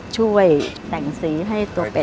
ช่วยแต่งสีให้ตัวเป็ด